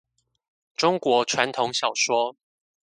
中國傳統小說